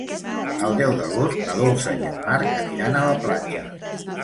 El deu d'agost na Dolça i en Marc aniran a la platja.